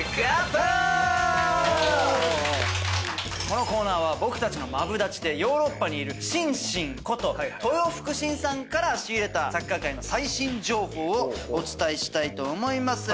このコーナーは僕たちのマブダチでヨーロッパにいるしんしんこと豊福晋さんから仕入れたサッカー界の最新情報をお伝えしたいと思います。